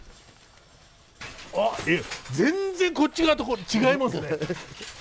あっ全然こっち側と違いますね。